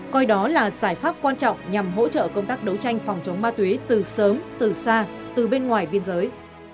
coi đó là giải pháp quan trọng nhằm hỗ trợ công tác đấu tranh phòng chống ma túy từ sớm từ xa từ bên ngoài biên giới